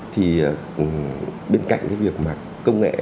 thì bên cạnh cái việc mà công nghệ